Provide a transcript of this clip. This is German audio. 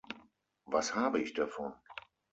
Was habe ich davon?